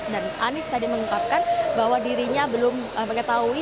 dan anis tadi mengungkapkan bahwa dirinya belum mengetahui